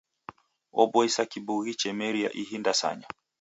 Oboisa kibughi chemeria ihi ndasanya.